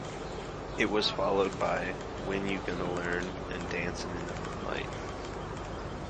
It was followed by "When You Gonna Learn" and "Dancin' in the Moonlight".